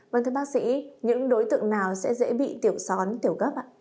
vâng thưa bác sĩ những đối tượng nào sẽ dễ bị tiểu xón tiểu gấp ạ